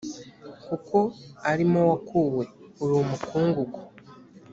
kuko ari mo wakuwe uri umukungugu